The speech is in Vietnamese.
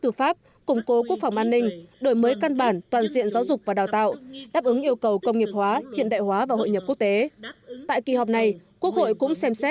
tư pháp củng cố quốc phòng an ninh đổi mới căn bản toàn diện giáo dục và đào tạo đáp ứng yêu cầu